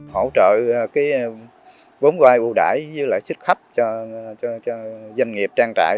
hỗ trợ vốn vai ưu đải với xích khắp cho doanh nghiệp trang trại